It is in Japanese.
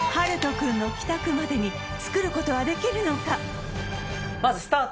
君の帰宅までに作ることはできるのか？